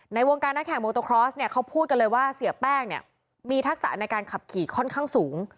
ในวงการนักแข่งโมโตครอสเนี่ยเขาพูดกันเลยว่าเสียแป้งเนี่ยมีทักษะในการขับขี่ค่อนข้างสูง